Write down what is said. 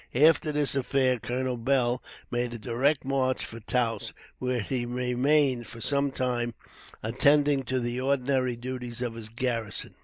After this affair, Col. Beall made a direct march for Taos, where he remained for some time, attending to the ordinary duties of his garrison.